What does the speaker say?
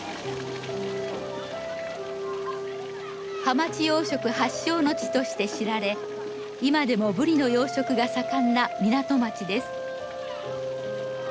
ハマチ養殖発祥の地として知られ今でもブリの養殖が盛んな港町です。